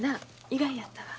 意外やったわ。